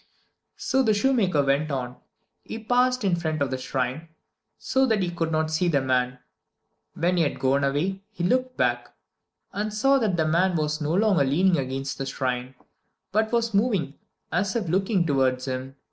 So the shoemaker went on. He passed in front of the shrine so that he could not see the man. When he had gone some way, he looked back, and saw that the man was no longer leaning against the shrine, but was moving as if looking towards him.